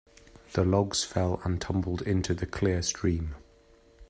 The logs fell and tumbled into the clear stream.